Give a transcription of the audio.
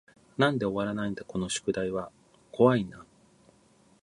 なんで終わらないだこの宿題は怖い y な